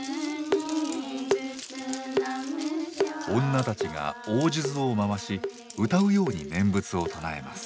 女たちが大数珠を回し歌うように念仏を唱えます。